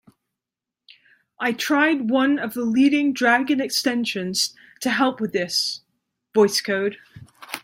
I tried one of the leading Dragon extensions to help with this, Voice Code.